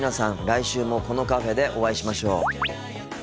来週もこのカフェでお会いしましょう。